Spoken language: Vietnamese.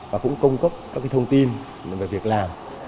và cũng cung cấp các thông tin về việc làm